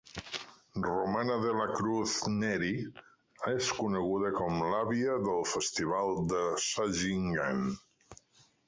Romana dela Cruz-Neri és coneguda com l'àvia del Festival de Sagingan.